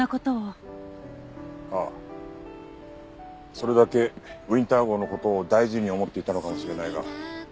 それだけウィンター号の事を大事に思っていたのかもしれないが。